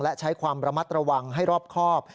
และใช้ความระมัดระวังให้รอบครอบ